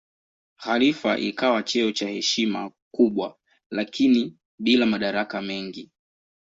Khalifa ikawa cheo cha heshima kubwa lakini bila madaraka mengi.